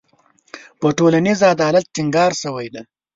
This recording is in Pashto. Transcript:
په ټولنیز عدالت ټینګار شوی دی.